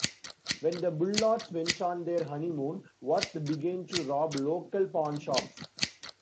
When the Bullards went on their honeymoon, Worth began to rob local pawnshops.